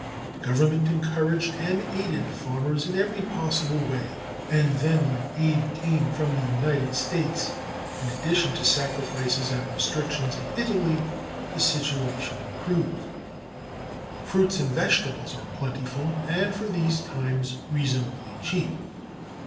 The Government encouraged and aided the farmers in every possible way, and then when aid came from the United States, in addition to sacrifices and restrictions in Italy, the situation improved. Fruit and vegetables are plentiful and, for these times, reasonably cheap.